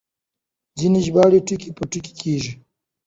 ځينې ژباړې ټکي په ټکي کېږي.